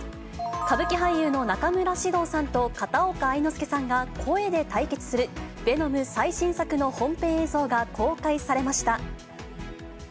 歌舞伎俳優の中村獅童さんと片岡愛之助さんが声で対決する、ヴェノム最新作の本編映像が公開されました。